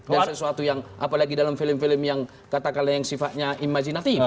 dan sesuatu yang apalagi dalam film film yang katakanlah yang sifatnya imajinatif